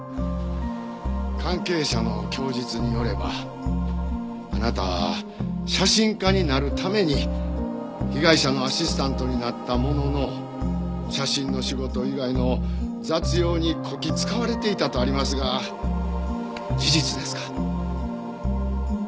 関係者の供述によればあなたは写真家になるために被害者のアシスタントになったものの写真の仕事以外の雑用にこき使われていたとありますが事実ですか？